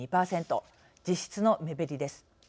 実質の目減りです。